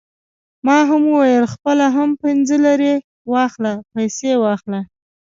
ما وویل: خپله هم پنځه لېرې واخله، پیسې واخله.